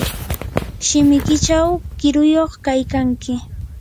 shimikiychaw qiriyuq kaykanki.